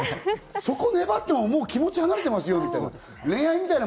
そこを粘っても、もう気持ち離れてますよみたいな。